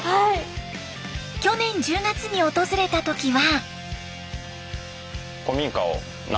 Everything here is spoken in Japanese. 去年１０月に訪れた時は。